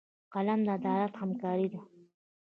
قلم د عدالت همکار دی